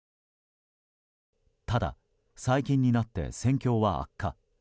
ただ、最近になって戦況は悪化。